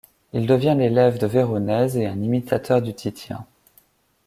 Il devient l'élève de Véronèse et un imitateur du Titien.